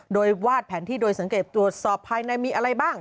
โดยวาดแผนที่โดยสังเกตตรวจสอบภายในมีอะไรบ้าง